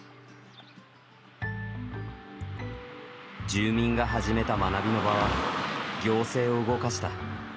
住民が始めた学びの場は行政を動かした。